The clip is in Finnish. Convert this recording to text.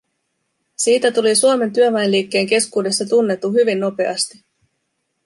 Siitä tuli Suomen työväenliikkeen keskuudessa tunnettu hyvin nopeasti